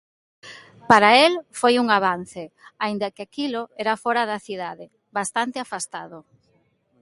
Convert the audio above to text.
Para el foi un avance, aínda que aquilo era fóra da cidade, bastante afastado.